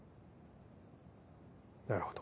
なるほど。